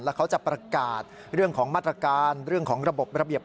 แล้วเขาจะประกาศเรื่องของมาตรการเรื่องของระบบระเบียบ